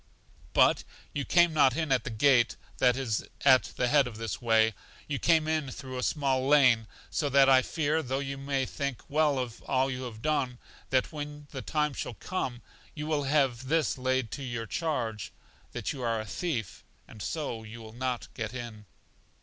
But you came not in at the gate that is at the head of this way, you came in through a small lane; so that I fear, though you may think well of all you have done, that when the time shall come, you will have this laid to your charge, that you are a thief and so you will not get in.